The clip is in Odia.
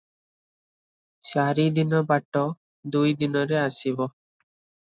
ଚାରିଦିନ ବାଟ ଦୁଇ ଦିନରେ ଆସିବ ।